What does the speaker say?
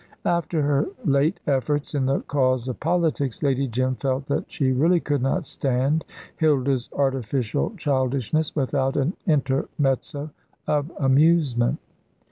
After her late efforts in the cause of politics Lady Jim felt that she really could not stand Hilda's artificial childishness without an intermezzo of amusement.